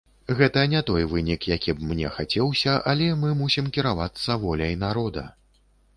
Гэта не той вынік, які б мне хацеўся, але мы мусім кіравацца воляй народа.